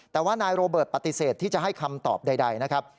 แต่ว่านายโรเบิร์ตปฏิเสธที่จะให้คำตอบใดนะครับ